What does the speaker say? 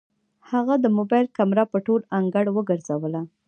هغې د موبايل کمره په ټول انګړ وګرځوله.